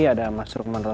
ada mas rukman rosadi